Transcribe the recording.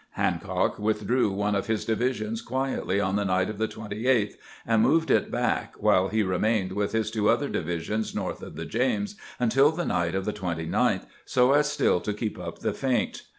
Hancock withdrew one of his divisions quietly on the night of the 28th, and moved it back, while he remained with his two other divisions north of the James until the night of the 29th, so as still to keep up the feint.